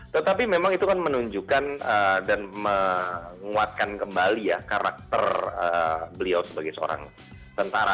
tetapi memang itu kan menunjukkan dan menguatkan kembali ya karakter beliau sebagai seorang tentara